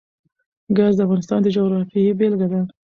ګاز د افغانستان د جغرافیې بېلګه ده.